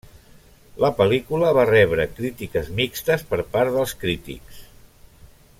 La pel·lícula va rebre crítiques mixtes per part dels crítics.